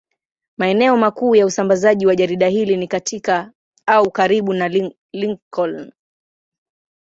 Maeneo makuu ya usambazaji wa jarida hili ni katika au karibu na Lincoln.